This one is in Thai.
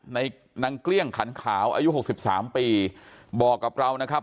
นางเกลี้ยงขันขาวอายุหกสิบสามปีบอกกับเรานะครับ